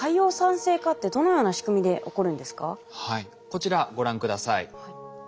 こちらご覧下さい。